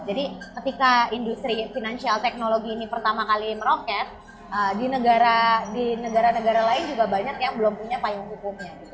jadi ketika industri finansial teknologi ini pertama kali meroket di negara negara lain juga banyak yang belum punya payung hukumnya gitu